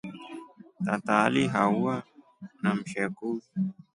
Tata alihauwa na msheku.